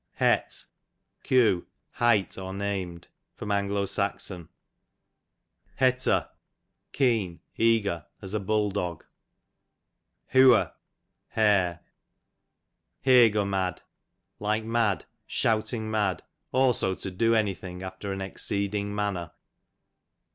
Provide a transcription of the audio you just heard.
Het, q. hight, or named. A. S. Hetter, keen, eager, as a hull dog. Hew'r, hair. Hey go mad, like mad, shouting mad; also to do any thing after an exceeding manner.